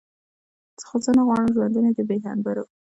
زه خو نه غواړم ژوندون د بې هنبرو.